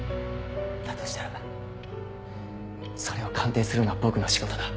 だとしたらそれを鑑定するのは僕の仕事だ。